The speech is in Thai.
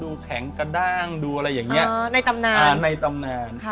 ดูแข็งกระดั้งดูอะไรอย่างเนี้ยในตำนาน